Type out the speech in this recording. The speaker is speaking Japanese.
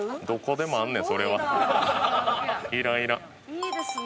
いいですね。